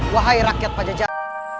wahai rakyat pajajah